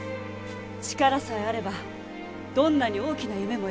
力さえあればどんなに大きな夢も描ける。